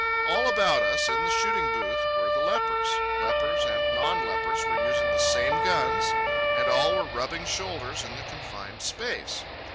All about us, in the shooting booth, were the lepers. Lepers and non lepers were using the same guns, and all were rubbing shoulders in the confined space.